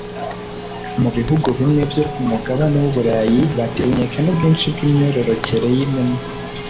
Mu bihugu bimwe byo ku mugabane w’Uburayi batewe inkeke n’ubwinshi bw’imyororokere y’inuma